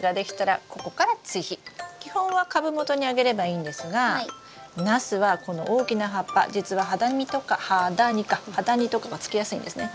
基本は株元にあげればいいんですがナスはこの大きな葉っぱ実はハダニとかがつきやすいんですね。